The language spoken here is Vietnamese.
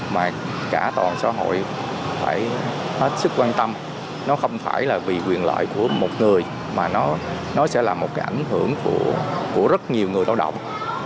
mà cả toàn xã hội phải hết sức quan tâm nó không phải là vì quyền lợi của một người mà nó sẽ là một cái ảnh hưởng của rất nhiều người lao động